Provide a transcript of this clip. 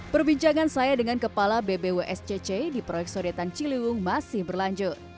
perbincangan saya dengan kepala bbwscc di proyek sodetan ciliwung masih berlanjut